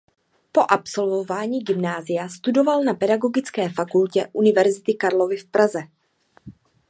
Po absolvování gymnázia studoval na Pedagogické fakultě Univerzity Karlovy v Praze.